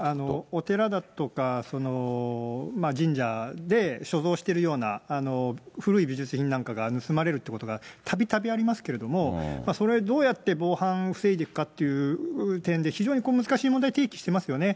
お寺だとか神社で所蔵しているような古い美術品なんかが盗まれるっていうことがたびたびありますけれども、それ、どうやって防犯、防いでいくかという点で、非常に難しい問題を提起してますよね。